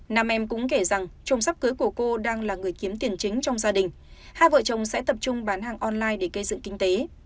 nam em cũng kể rằng trôm sắp cưới của cô đang là người kiếm tiền chính trong gia đình hai vợ chồng sẽ tập trung bán hàng online để cây dựng kinh tế